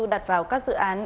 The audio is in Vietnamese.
đặt vào các dự án